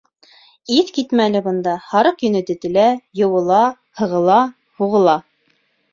Иҫ китмәле бында: һарыҡ йөнө тетелә, йыуыла, һығыла, һуғыла.